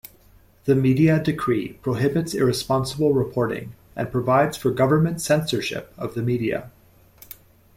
The Media Decree prohibits "irresponsible reporting" and provides for government censorship of the media.